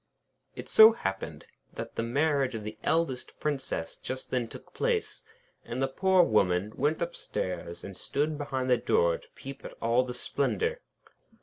It so happened that the marriage of the eldest Princess just then took place, and the poor Woman went upstairs and stood behind the door to peep at all the splendour.